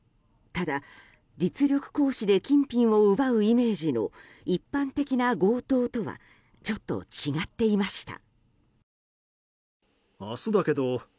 ただ、実力行使で金品を奪うイメージの一般的な強盗とはちょっと違っていました。